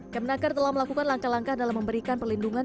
kemenangker telah melakukan langkah langkah dalam memberikan pelindungan